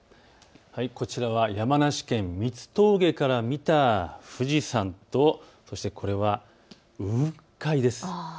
こちらは山梨県三つ峠から見た富士山と、これは雲海です。